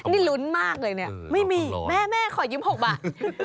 นี่ลุ้นมากเลยเนี่ยไม่มีแม่ขอยืม๖บาท